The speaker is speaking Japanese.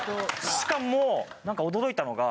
しかも何か驚いたのが。